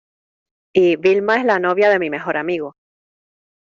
y Vilma es la novia de mi mejor amigo.